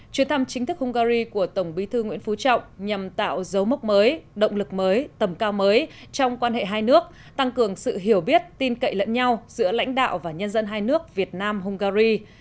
chuyến thăm chính thức hungary của tổng bí thư nguyễn phú trọng nhằm tạo dấu mốc mới động lực mới tầm cao mới trong quan hệ hai nước tăng cường sự hiểu biết tin cậy lẫn nhau giữa lãnh đạo và nhân dân hai nước việt nam hungary